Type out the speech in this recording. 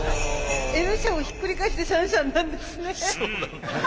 「Ｎ社」をひっくり返して「社Ｎ社Ｎ」なんですね。